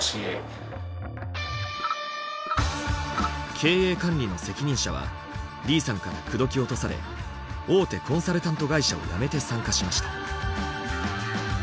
経営管理の責任者は李さんから口説き落とされ大手コンサルタント会社を辞めて参加しました。